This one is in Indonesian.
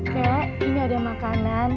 kak ini ada makanan